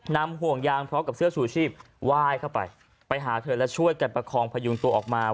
ห่วงยางพร้อมกับเสื้อชูชีพไหว้เข้าไปไปหาเธอและช่วยกันประคองพยุงตัวออกมา